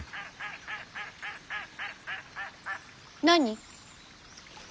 何。